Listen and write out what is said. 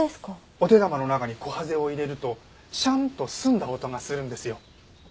お手玉の中にコハゼを入れると「シャン」と澄んだ音がするんですよ。